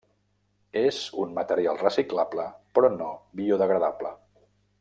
És un material reciclable però no biodegradable.